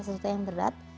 sesuatu yang berat